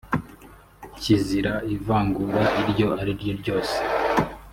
kizira ivangura iryo ari ryo ryose